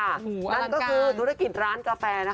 นั่นก็คือธุรกิจร้านกาแฟนะคะ